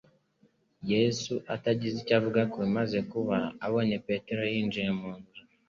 Yesu atagize icyo avuga ku bimaze kuba, abonye Petero yinjiye mu nzu,